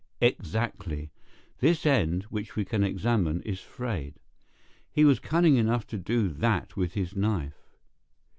"Exactly. This end, which we can examine, is frayed. He was cunning enough to do that with his knife.